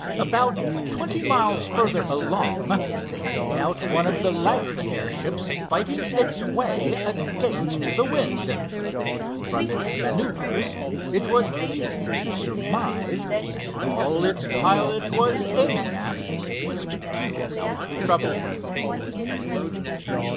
About twenty miles further along they made out one of the laggard airships fighting its way against the wind. From its maneuvers it was easy to surmise that all its pilot was aiming at was to keep out of trouble.